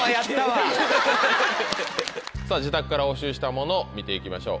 自宅から押収したもの見て行きましょう。